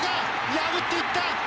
破っていった！